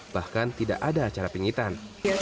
bahkan tidak ada acara pingitan